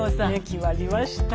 決まりました。